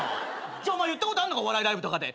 じゃお前言ったことあんのかお笑いライブとかで。